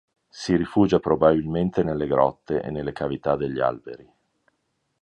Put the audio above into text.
Si rifugia probabilmente nelle grotte e nelle cavità degli alberi.